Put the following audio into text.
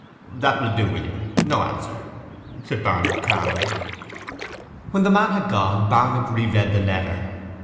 'That will do, William. No answer,' said Barnet calmly. When the man had gone Barnet re read the letter.